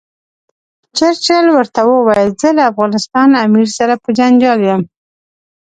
چرچل ورته وویل زه له افغانستان امیر سره په جنجال یم.